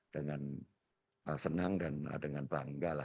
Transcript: dengan senang dan dengan bangga lah